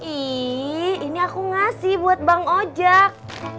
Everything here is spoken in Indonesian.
iyih ini aku ngasih buat bang ojak